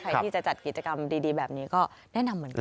ใครที่จะจัดกิจกรรมดีแบบนี้ก็แนะนำเหมือนกัน